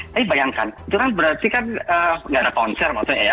tapi bayangkan itu kan berarti kan nggak ada konser maksudnya ya